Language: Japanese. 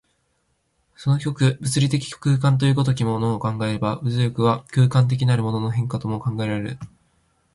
その極、物理的空間という如きものを考えれば、物力は空間的なるものの変化とも考えられる。